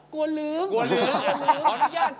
กลัวลืมเกลียดกลัวลืมขออนุญาต